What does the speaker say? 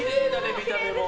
見た目も。